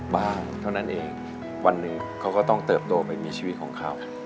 เท่านั้นเองวันหนึ่งเขาก็ต้องเติบโตไปมีชีวิตของเขา